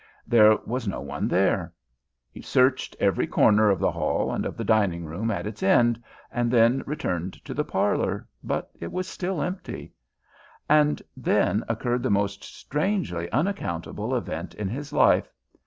There was no one there. He searched every corner of the hall and of the dining room at its end, and then returned to the parlor, but it was still empty. And then occurred the most strangely unaccountable event in his life.